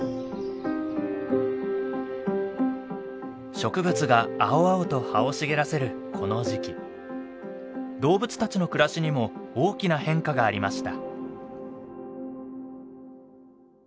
植物が青々と葉を茂らせるこの時期動物たちの暮らしにも大きな変化がありました。